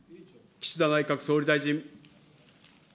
岸田内閣総理大臣。